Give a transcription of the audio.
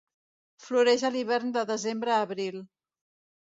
Floreix a l'hivern de desembre a abril.